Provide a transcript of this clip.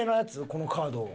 このカード。